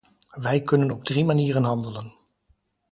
Wij kunnen op drie manieren handelen.